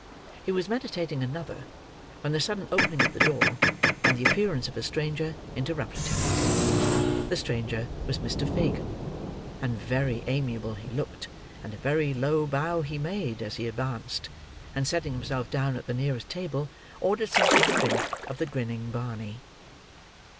He was meditating another, when the sudden opening of the door, and the appearance of a stranger, interrupted him. The stranger was Mr. Fagin. And very amiable he looked, and a very low bow he made, as he advanced, and setting himself down at the nearest table, ordered something to drink of the grinning Barney.